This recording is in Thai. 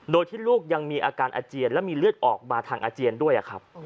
โดยที่ลูกยังมีอาการอาเจียนและมีเลือดออกมาทางอาเจียนด้วยครับ